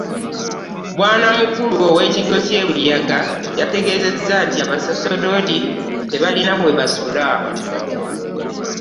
Bwannamukulu w’ekigo ky’e Buyaga yategeezezza nti, abasoserodooti tebalina we basula